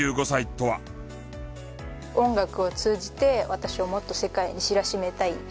音楽を通じて私をもっと世界に知らしめたい。